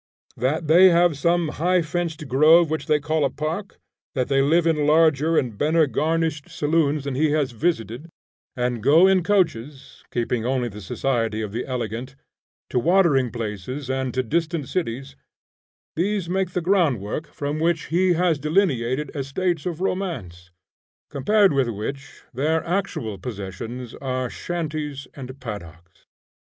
That they have some high fenced grove which they call a park; that they live in larger and better garnished saloons than he has visited, and go in coaches, keeping only the society of the elegant, to watering places and to distant cities, these make the groundwork from which he has delineated estates of romance, compared with which their actual possessions are shanties and paddocks.